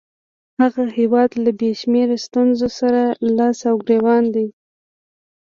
هغه هیواد له بې شمېره ستونزو سره لاس او ګرېوان دی.